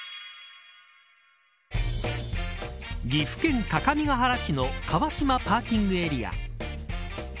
岐阜県各務原市の川島パーキングエリア。